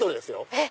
えっ⁉